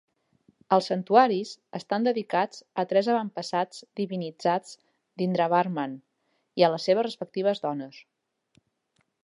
Els santuaris estan dedicats a tres avantpassats divinitzats d'Indravarman i a les seves respectives dones.